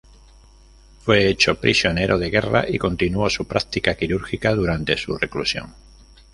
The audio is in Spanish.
Fue hecho prisionero de guerra y continuó su práctica quirúrgica durante su reclusión.